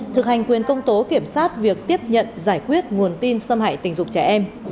thực hành quyền công tố kiểm soát việc tiếp nhận giải quyết nguồn tin xâm hại tình dục trẻ em